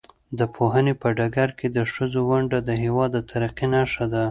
د پوهنې په ډګر کې د ښځو ونډه د هېواد د ترقۍ نښه ده.